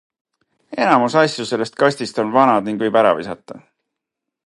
Enamus asju sellest kastist on vanad ning võib ära visata.